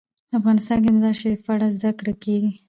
افغانستان کې د مزارشریف په اړه زده کړه کېږي.